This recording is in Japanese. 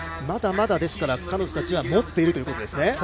まだまだ彼女たちは持っているということですね。